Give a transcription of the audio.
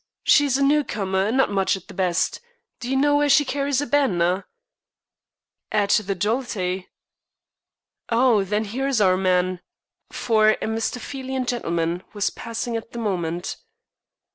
She's a new comer, and not much at the best. Do you know where she carries a banner?" "At the Jollity." "Oh! then here's our man" for a Mephistophelian gentleman was passing at the moment.